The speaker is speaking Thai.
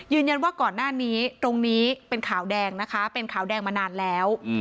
ก่อนหน้านี้ตรงนี้เป็นขาวแดงนะคะเป็นขาวแดงมานานแล้ว